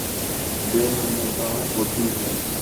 بھی نمودار ہوتی ہیں